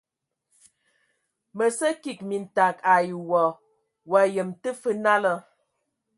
Mə sə kig mintag ai wa, wa yəm tə fə nala.